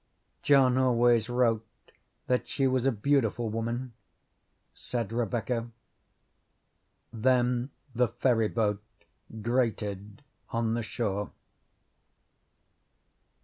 "John always wrote that she was a beautiful woman," said Rebecca. Then the ferry boat grated on the shore.